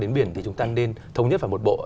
đến biển thì chúng ta nên thống nhất vào một bộ